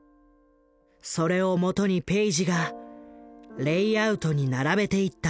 それをもとにペイジがレイアウトに並べていった。